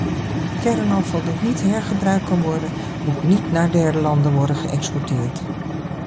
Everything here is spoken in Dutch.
Kernafval dat niet hergebruikt kan worden, moet niet naar derde landen worden geëxporteerd.